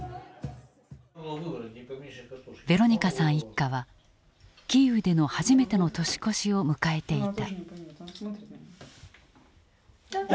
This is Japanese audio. ヴェロニカさん一家はキーウでの初めての年越しを迎えていた。